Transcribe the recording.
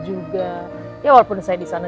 juga ya walaupun saya disana